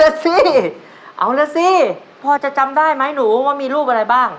เอาแล้วสิพอจะจำได้ไหมหนูว่ามีรูปอะไรบ้าง